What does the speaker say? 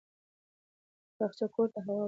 باغچه کور ته هوا ورکوي.